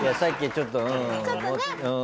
ちょっとね。